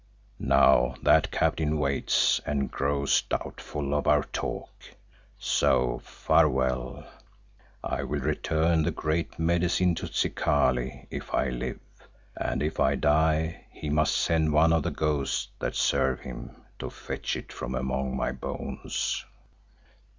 Now that captain waits and grows doubtful of our talk, so farewell. I will return the Great Medicine to Zikali, if I live, and if I die he must send one of the ghosts that serve him, to fetch it from among my bones.